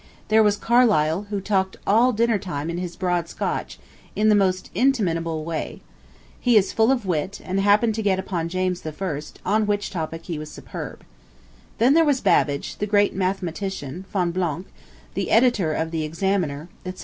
There was Carlyle, who talked all dinner time in his broad Scotch, in the most inimitable way. He is full of wit, and happened to get upon James I., upon which topic he was superb. Then there was Babbage, the great mathematician, Fonblanc, the editor of the Examiner, etc.